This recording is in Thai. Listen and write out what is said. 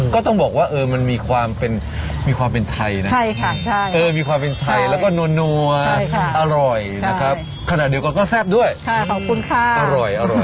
ก็ต้องบอกว่ามันมีความเป็นไทยนะครับแล้วก็นัวอร่อยนะครับขนาดเดี๋ยวก็แซ่บด้วยอร่อย